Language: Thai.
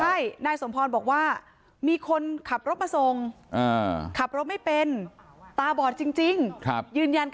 ใช่นายสมพรบอกว่ามีคนขับรถมาส่งขับรถไม่เป็น